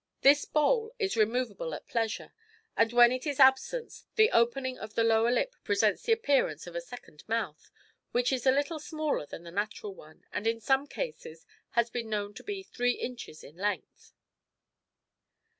This bowl is removable at pleasure, and when it is absent the opening in the lower lip presents the appearance of a second mouth, which is little smaller than the natural one, and in some cases has been known to be three inches in length.